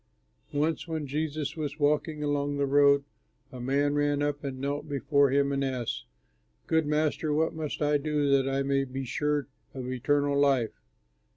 '" Once when Jesus was walking along the road, a man ran up and knelt before him and asked, "Good Master, what must I do that I may be sure of eternal life?"